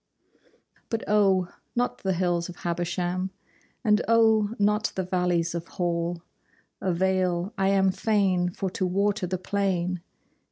But oh, not the hills of Habersham, And oh, not the valleys of Hall Avail: I am fain for to water the plain.